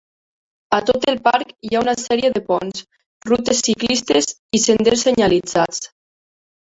A tot el parc hi ha una sèrie de ponts, rutes ciclistes i senders senyalitzats.